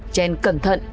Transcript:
chen cẩn thận